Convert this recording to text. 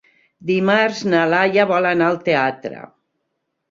Dimarts na Laia vol anar al teatre.